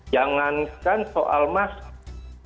jangankan soal mask